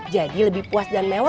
jadi lebih puas dan mewah